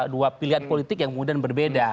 dua pilihan politik yang kemudian berbeda